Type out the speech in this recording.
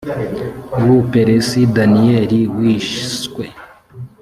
w u buperesi daniyeli wiswe